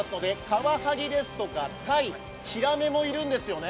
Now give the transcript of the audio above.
カワハギですとかタイ、ヒラメもいるんですよね。